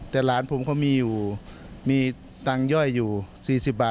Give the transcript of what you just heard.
แล้วหลานผมมีอยู่มีตันเย้อยอยู่๔๐บาท